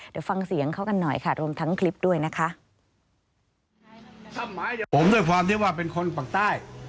เดี๋ยวฟังเสียงเขากันหน่อยค่ะรวมทั้งคลิปด้วยนะคะ